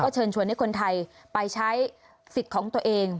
เชิญชวนให้คนไทยไปใช้สิทธิ์ของตัวเอง